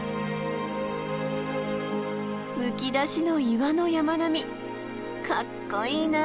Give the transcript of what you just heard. むき出しの岩の山並みかっこいいなあ。